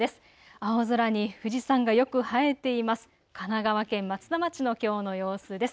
青空に富士山がよく映えています。